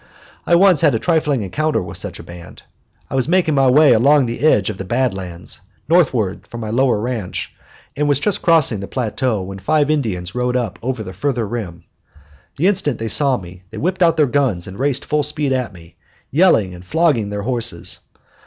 I once had a trifling encounter with such a band. I was making my way along the edge of the bad lands, northward from my lower ranch, and was just crossing a plateau when five Indians rode up over the further rim. The instant they saw me they whipped out their guns and raced full speed at me, yelling and flogging their horses.